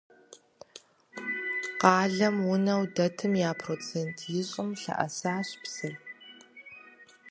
Къалэм унэу дэтым я процент ищӏым ялъэӀэсащ псыр.